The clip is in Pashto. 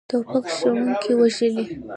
توپک ښوونکي وژلي.